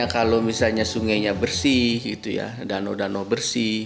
kalau misalnya sungainya bersih danau danau bersih